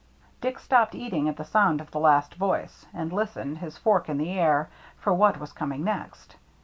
Dick stopped eating at the sound of the last voice, and listened, his fork in the air, for what was coming next.